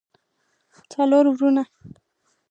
څلور وروڼه